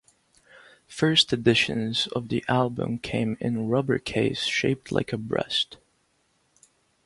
First editions of the album came in rubber case shaped like a breast.